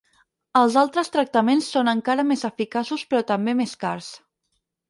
Els altres tractaments són encara més eficaços però també més cars.